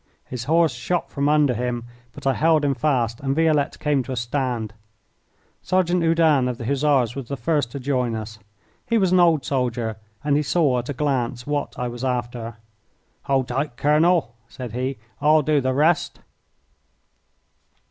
His horse shot from under him, but I held him fast and Violette came to a stand. Sergeant Oudin of the Hussars was the first to join us. He was an old soldier, and he saw at a glance what I was after. "Hold tight, Colonel," said he, "I'll do the rest."